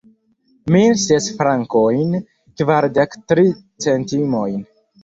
Mil ses frankojn, kvardek tri centimojn.